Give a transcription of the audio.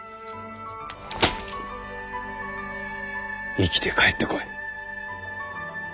生きて帰ってこい！